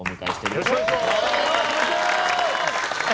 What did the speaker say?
よろしくお願いします。